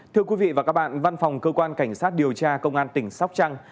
thưa quý vị và các bạn văn phòng cơ quan cảnh sát điều tra công an tỉnh sóc trăng